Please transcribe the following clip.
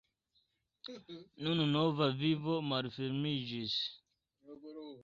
Nun nova vivo malfermiĝis.